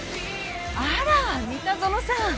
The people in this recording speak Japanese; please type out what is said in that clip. あら三田園さん。